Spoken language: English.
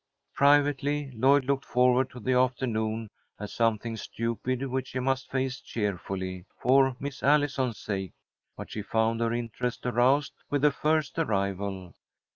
Privately, Lloyd looked forward to the afternoon as something stupid which she must face cheerfully for Miss Allison's sake, but she found her interest aroused with the first arrival.